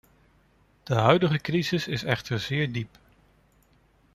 De huidige crisis is echter zeer diep.